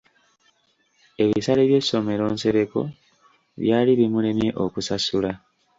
Ebisale by’essomero Nsereko byali bimulemye okusasula .